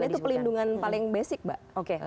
karena itu pelindungan paling basic mbak